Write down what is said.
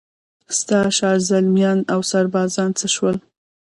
ستا شازلمیان اوسربازان څه شول؟